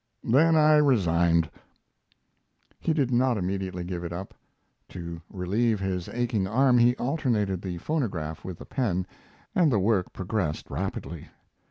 Then I resigned. He did not immediately give it up. To relieve his aching arm he alternated the phonograph with the pen, and the work progressed rapidly.